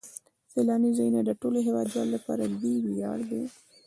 سیلاني ځایونه د ټولو هیوادوالو لپاره لوی ویاړ دی.